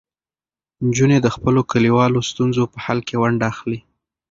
نجونې د خپلو کلیوالو ستونزو په حل کې ونډه اخلي.